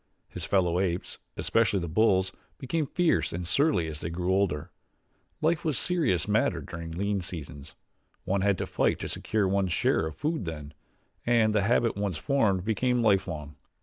His fellow apes, especially the bulls, became fierce and surly as they grew older. Life was a serious matter during lean seasons one had to fight to secure one's share of food then, and the habit once formed became lifelong.